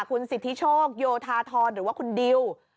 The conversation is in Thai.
คุณสิทธิโชคโยธาทรหรือว่าคุณดิว